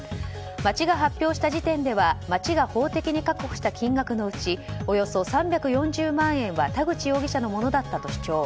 町が発表した時点では町が法的に確保した金額のうちおよそ３４０万円は田口容疑者のものだったと主張。